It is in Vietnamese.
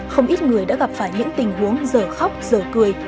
không ít người đã gặp phải những tình huống dở khóc dở cười